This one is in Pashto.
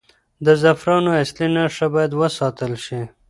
د زعفرانو اصلي نښه باید وساتل شي.